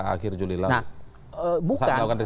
akhir juli lalu bukan